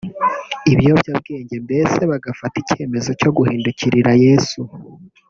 ibiyobyabwenge mbese bagafata icyemezo cyo guhindukirira Yesu